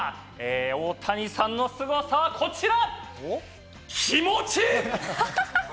大谷さんのすごさはこちら、「気持ち」。